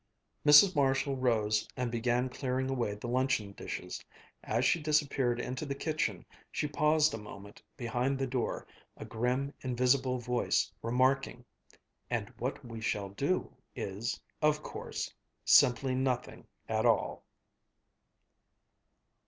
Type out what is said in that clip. Mrs. Marshall rose and began clearing away the luncheon dishes. As she disappeared into the kitchen, she paused a moment behind the door, a grim, invisible voice, remarking, "And what we shall do is, of course, simply nothing at all!"